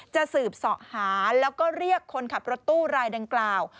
จะสืบเสาะหาแล้วก็เรียกคนขับรถตู้รายดังกล่าว